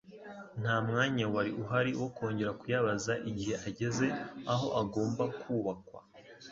nta mwanya wari uhari wo kongera kuyabaza igihe ageze aho agomba kubakwa;